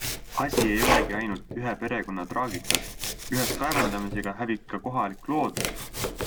Asi ei olegi ainult ühe perekonna traagikas - ühes kaevandamisega hävib ka kohalik loodus.